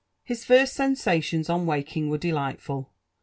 Bi9 first sensations on waking were delightful.